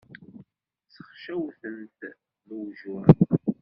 Sexcawten-t lewjuɛ.